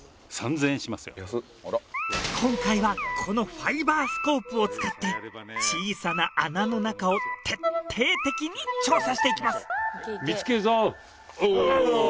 今回はこのファイバースコープを使って小さな穴の中を徹底的に調査していきます